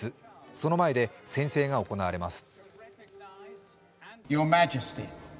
その前で宣誓が行われます。